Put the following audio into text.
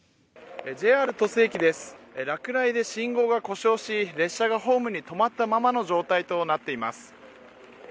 ＪＲ鳥栖駅です、落雷で信号が故障し、列車がホームに止まったままの状態となっています。